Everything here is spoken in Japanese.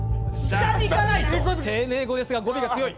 丁寧語ですが語尾が強い。